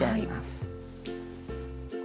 はい。